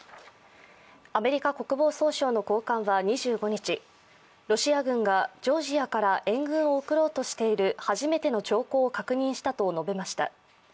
アメリカ国防総省の高官は２５日ロシア軍がジョージアから援軍を送ろうとしている初めての兆候を確認したと述べました。